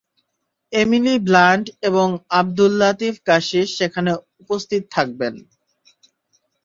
Emily Blunt এবং Abdellatif Kechiche সেখানে উপস্থিত থাকবেন।